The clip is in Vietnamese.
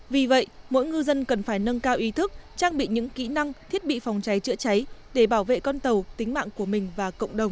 vì vậy mỗi ngư dân cần phải nâng cao ý thức trang bị những kỹ năng thiết bị phòng cháy chữa cháy để bảo vệ con tàu tính mạng của mình và cộng đồng